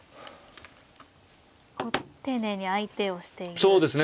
丁寧に相手をしていますね。